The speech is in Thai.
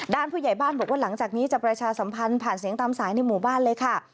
ผู้ใหญ่บ้านบอกว่าหลังจากนี้จะประชาสัมพันธ์ผ่านเสียงตามสายในหมู่บ้านเลยค่ะ